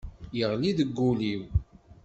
Yeɣli deg wul-iw.